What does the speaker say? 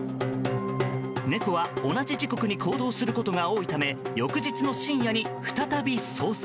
猫は同じ時刻に行動することが多いため翌日の深夜に再び捜索。